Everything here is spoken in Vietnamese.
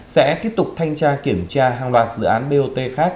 sẽ tiếp tục thanh tra kiểm tra hàng loạt dự án bot khác